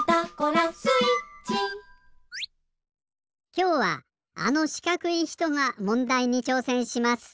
きょうはあのしかくいひとがもんだいにちょうせんします。